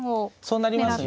そうなりますね。